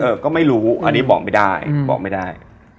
เออก็ไม่รู้อันนี้บอกไม่ได้